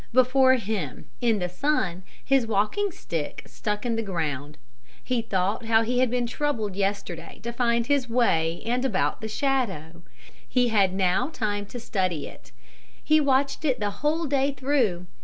Before him, in the sun, his walking stick stuck in the ground. He thought how he had been troubled yesterday to find his way and about the shadow. He had now time to study it. He watched it the whole day through.